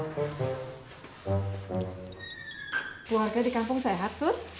keluarga di kampung sehat su